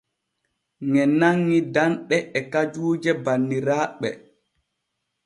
Ŋe nanŋi danɗe e kajuuje banniraaɓe.